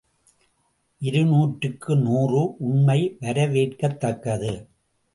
இது நூற்றுக்கு நூறு உண்மை வரவேற்கத்தக்கது.